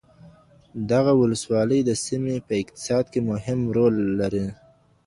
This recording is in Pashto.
دغه ولسوالي د سیمې په اقتصاد کي مهم رول لري